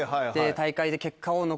大会で。